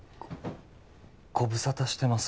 ご無沙汰してます